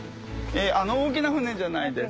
あの大きな船じゃないです。